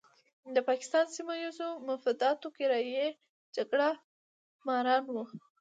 د پاکستان سیمه ییزو مفاداتو کرایي جګړه ماران وو.